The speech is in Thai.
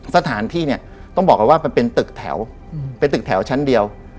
สถานที่ต้องบอกว่าเป็นตึกแถวเป็นตึกแถวชั้นเดียว